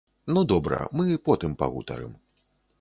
Ну, добра, мы потым пагутарым.